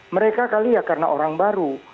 mereka kali ya karena orang baru